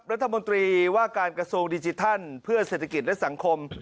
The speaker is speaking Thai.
รัฐมนตรีว่าการกระทรวงดิจิทัลเพื่อเศรษฐกิจและสังคม